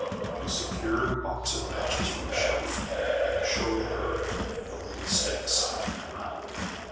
He secured a box of matches from a shelf, and showed her the "little sticks."